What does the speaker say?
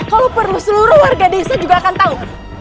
kalau perlu seluruh warga desa juga akan tahu